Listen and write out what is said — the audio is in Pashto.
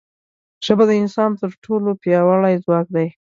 ژبه د انسان تر ټولو پیاوړی ځواک دی